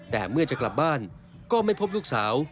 แต่เมื่อจะกลับบ้านก็ไม่พบลูกสาว